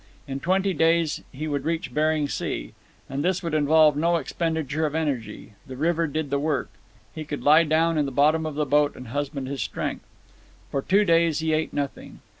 In twenty days he would reach Bering Sea. And this would involve no expenditure of energy; the river did the work. He could lie down in the bottom of the boat and husband his strength. For two days he ate nothing.